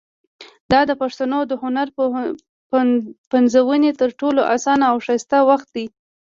دا د پښتنو د هنر پنځونې تر ټولو اسانه او ښایسته وخت دی.